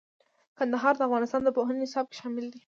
کندهار د افغانستان د پوهنې نصاب کې شامل دي.